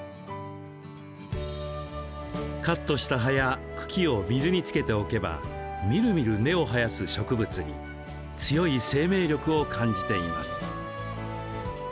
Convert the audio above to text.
カットした葉や茎を水につけておけばみるみる、根を生やす植物に強い生命力を感じています。